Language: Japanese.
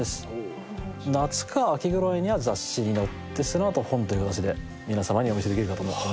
夏か秋ぐらいには雑誌に載ってその後本という形で皆さまにお見せできるかと思います。